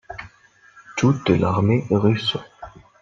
Toute l’Armée russe.